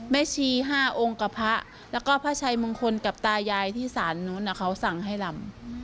ชี๕องค์กับพระแล้วก็พระชัยมงคลกับตายายที่ศาลนู้นเขาสั่งให้ลำ